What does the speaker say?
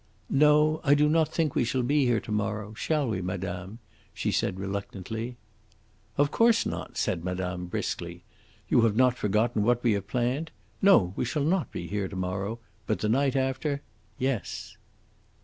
"No, I do not think we shall be here, to morrow, shall we, madame?" she said reluctantly. "Of course not," said madame briskly. "You have not forgotten what we have planned? No, we shall not be here to morrow; but the night after yes."